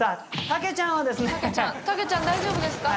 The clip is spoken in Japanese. タケちゃん大丈夫ですか？